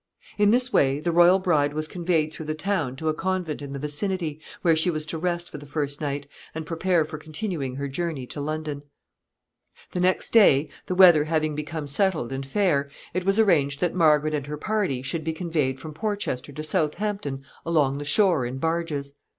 In this way the royal bride was conveyed through the town to a convent in the vicinity, where she was to rest for the first night, and prepare for continuing her journey to London. [Sidenote: Passage to Southampton.] The next day, the weather having become settled and fair, it was arranged that Margaret and her party should be conveyed from Porchester to Southampton along the shore in barges.